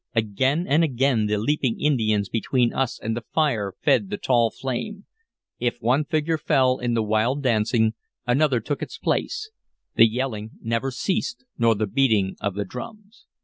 Again and again the leaping Indians between us and the fire fed the tall flame; if one figure fell in the wild dancing, another took its place; the yelling never ceased, nor the beating of the drums.